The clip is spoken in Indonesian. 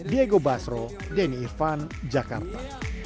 diego basro denny irvan jakarta